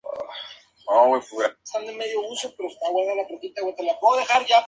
Ha participado en tres citas olímpicas.